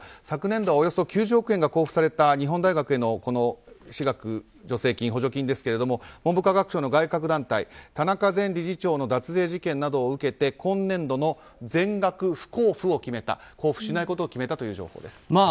昨年度はおよそ９０億円が公布された日本大学への私学助成金ですけれども文部科学省の外郭団体田中前理事長の脱税事件などを受けて今年度の全額不交付を決めた交付しないとを決めたという情報です。